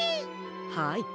はい。